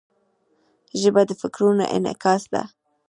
ژبه د فکرونو انعکاس ده.